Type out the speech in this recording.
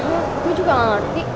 aku juga gak ngerti